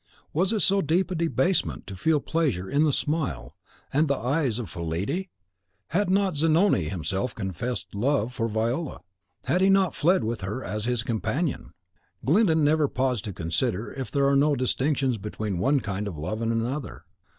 Was it so deep a debasement to feel pleasure in the smile and the eyes of Fillide? Had not Zanoni himself confessed love for Viola; had he not fled with her as his companion? Glyndon never paused to consider if there are no distinctions between one kind of love and another.